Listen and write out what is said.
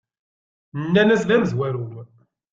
Nnan-as: D amezwaru.